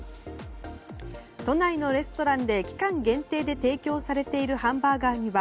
都内のレストランで期間限定で提供されているハンバーガーには